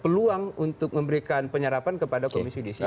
peluang untuk memberikan penyerapan kepada komisi judisial